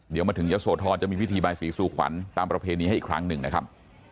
เดี๋ยวมาถึงยะโสธรจะมีพิธีบายศรีสู่ขวัญตามประเพณีให้อีกครั้งหนึ่งนะครับ